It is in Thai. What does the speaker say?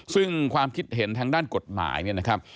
ซึ่งความคิดเห็นทางด้านกฎหมายเนี่ยนะครับ